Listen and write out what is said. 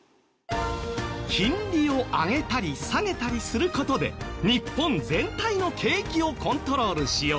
金利を上げたり下げたりする事で日本全体の景気をコントロールしよう。